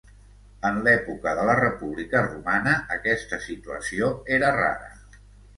En l'època de la República romana, aquesta situació era rara.